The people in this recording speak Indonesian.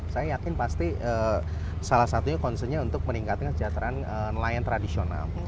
saya yakin pasti salah satunya concernnya untuk meningkatkan kesejahteraan nelayan tradisional